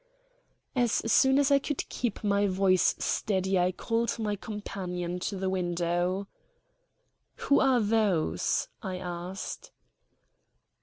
As soon as I could keep my voice steady I called my companion to the window. "Who are those?" I asked.